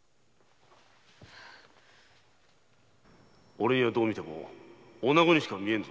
〔俺にはどう見ても女子にしか見えんぞ〕